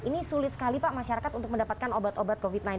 ini sulit sekali pak masyarakat untuk mendapatkan obat obat covid sembilan belas